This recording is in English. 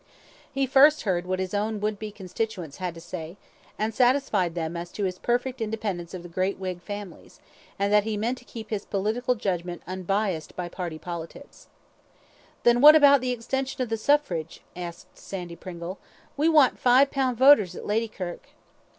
He first heard what his own would be constituents had to say, and satisfied them as to his perfect independence of the great Whig families, and that he meant to keep his judgment unbiassed by party politics. "Then what about the extension o' the suffrage?" asked Sandy Pringle; "we want five pound voters at Ladykirk."